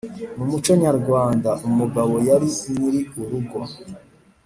Mu muco nyarwanda, umugabo yari nyiri urugo.